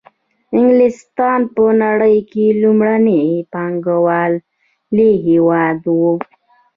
انګلستان په نړۍ کې لومړنی پانګوالي هېواد وو